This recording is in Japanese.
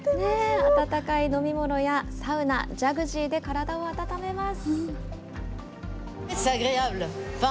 温かい飲み物やサウナ、ジャグジーで体を温めます。